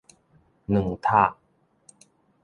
卵塔